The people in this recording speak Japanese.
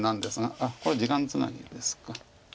これ時間つなぎですか。